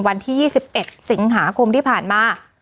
วันที่๒๑สิงหาคมที่ผ่านมา